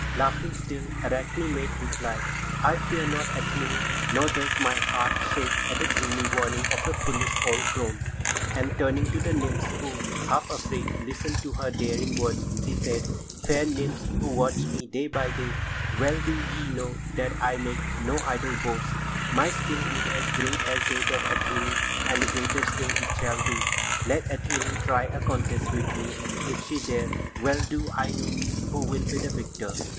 Laughing still, Arachne made reply: "I fear not, Athené, nor does my heart shake at the gloomy warning of a foolish old crone." And turning to the nymphs who, half afraid, listened to her daring words, she said: "Fair nymphs who watch me day by day, well do ye know that I make no idle [Pg 85] boast. My skill is as great as that of Athené, and greater still it shall be. Let Athené try a contest with me if she dare! Well do I know who will be the victor."